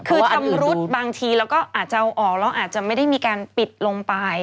คือชำรุดบางทีเราก็อาจจะเอาออกแล้วอาจจะไม่ได้มีการปิดลงไป